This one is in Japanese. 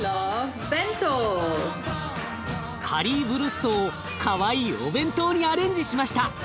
カリーヴルストをかわいいお弁当にアレンジしました。